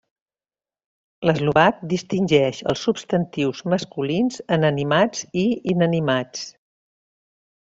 L'eslovac distingeix els substantius masculins en animats i inanimats.